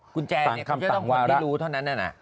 คุณแจงเนี่ยคุณจะต้องควรรู้เท่านั้นนะ